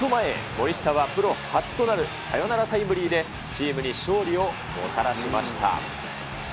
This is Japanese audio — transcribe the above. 森下はプロ初となるサヨナラタイムリーで、チームに勝利をもたらしました。